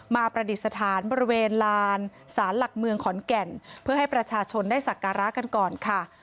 ประดิษฐานบริเวณลานศาลหลักเมืองขอนแก่นเพื่อให้ประชาชนได้สักการะกันก่อนค่ะ